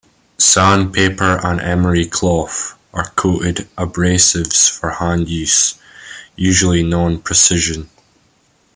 Sandpaper and emery cloth are coated abrasives for hand use, usually non-precision.